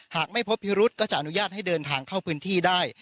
หากไม่พบพิรุธก็จะอนุญาตให้เดินทางเข้าพื้นที่ได้